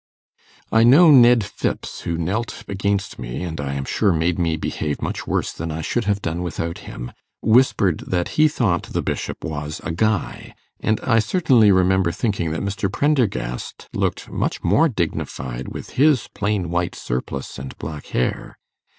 I know, Ned Phipps, who knelt against me, and I am sure made me behave much worse than I should have done without him, whispered that he thought the Bishop was a 'guy', and I certainly remember thinking that Mr. Prendergast looked much more dignified with his plain white surplice and black hair.